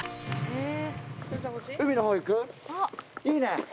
いいね！